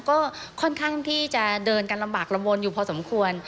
ก็ค่อนข้างที่จะเดินกันลำบากลำบลอยู่พอสมควร